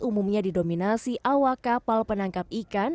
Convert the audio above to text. umumnya didominasi awak kapal penangkap ikan